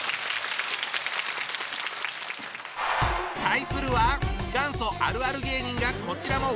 対するは元祖あるある芸人がこちらも「わらたま」初登場。